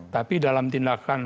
tapi dalam tindakan